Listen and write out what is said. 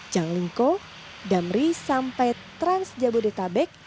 janglingko damri sampai transjabodetabek